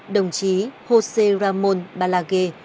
đồng chí josé ramón balague